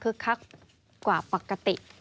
คือคักกว่าปกติ